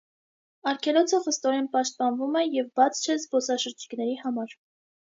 Արգելոցը խստորեն պաշտպանվում է և բաց չէ զբոսաշրջիկների համար։